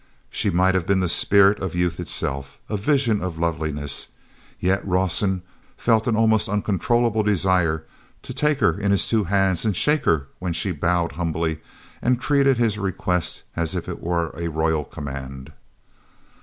She might have been the spirit of youth itself, a vision of loveliness; yet Rawson felt an almost uncontrollable desire to take her in his two hands and shake her when she bowed humbly and treated his request as if it were a royal command.